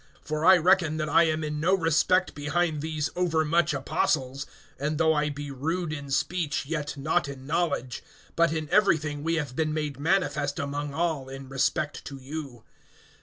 (5)For I reckon that I am in no respect behind these overmuch apostles. (6)And though I be rude in speech, yet not in knowledge; but in everything we have been made manifest among all, in respect to you.